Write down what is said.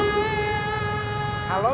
udah jalan ya mbak